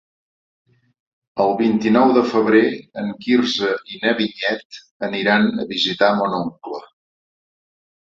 El vint-i-nou de febrer en Quirze i na Vinyet aniran a visitar mon oncle.